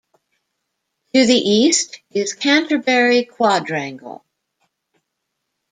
To the east is Canterbury Quadrangle.